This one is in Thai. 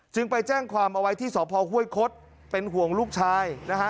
จึงไปแจ้งความเอาไว้ที่สภห้วยคตเป็นห่วงลูกชาย